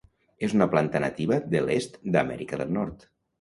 És una planta nativa de l'est d'Amèrica del Nord.